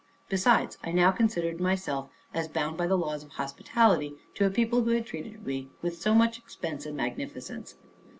Besides, I now considered myself as bound by the laws of hospitality to a people who had treated me with so much expense and magnificence.